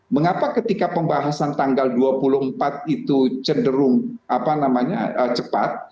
mengapa ketika pembahasan tanggal dua puluh empat itu cenderung cepat